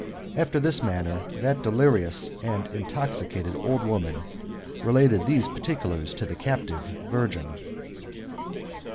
After this manner, that delirious and intoxicated old woman related these partieu lars to the captive virgin.